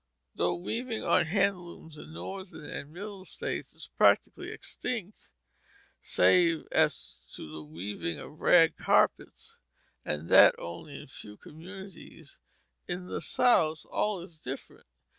Though weaving on hand looms in our Northern and Middle states is practically extinct, save as to the weaving of rag carpets (and that only in few communities), in the South all is different.